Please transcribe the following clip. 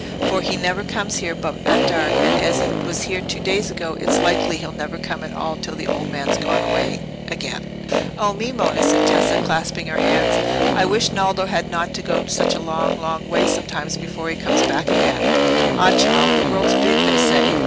For he never comes here but at dark; and as he was here two days ago, it's likely he'll never come at all till the old man's gone away again." "Oh me! Monna," said Tessa, clasping her hands, "I wish Naldo had not to go such a long, long way sometimes before he comes back again." "Ah, child! the world's big, they say.